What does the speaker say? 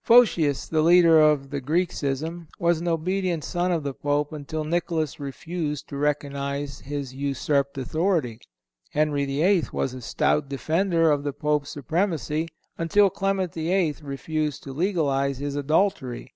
Photius, the leader of the Greek schism, was an obedient son of the Pope until Nicholas refused to recognize his usurped authority. Henry VIII. was a stout defender of the Pope's supremacy until Clement VII. refused to legalize his adultery.